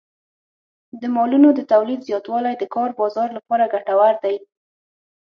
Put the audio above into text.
د مالونو د تولید زیاتوالی د کار بازار لپاره ګټور دی.